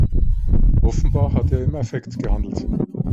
Offenbar hat er im Affekt gehandelt.